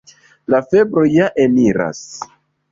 La febro ja eniras.